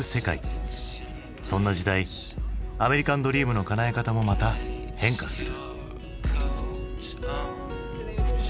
そんな時代アメリカン・ドリームのかなえ方もまた変化する。